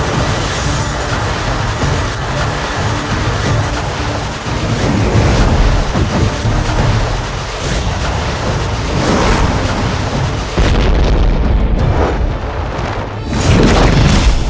aku sudah tidak kuat lagi